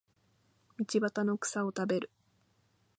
道端の草を食べる